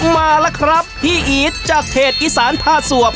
มาแล้วครับพี่อีทจากเขตอีสานพาสวบ